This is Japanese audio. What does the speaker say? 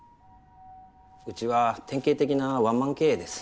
うちは典型的なワンマン経営です。